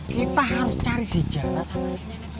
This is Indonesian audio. kita harus cari si jala sama si nenek tua itu